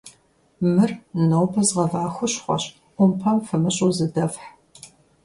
Мыр нобэ згъэва хущхъуэщ, Ӏумпэм фымыщӀу зыдэфхь.